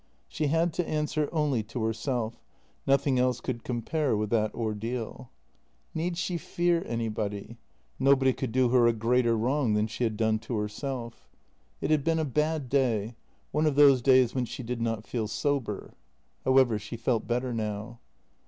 She had to answer only to herself; nothing else could compare with that ordeal. Need she fear anybody? Nobody could do her a great wrong than she had done to herself. JENNY 283 It had been a bad day — one of those days when she did not feel sober. However, she felt better now.